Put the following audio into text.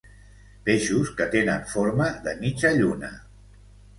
Peixos que tenen forma de mitja lluna.